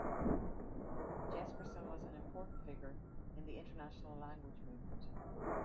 Jespersen was an important figure in the international language movement.